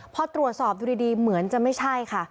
พอตรวจสอบดูดีเหมือนจะไม่ใช่ค่ะ